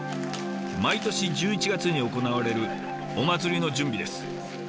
毎年１１月に行われるお祭りの準備です。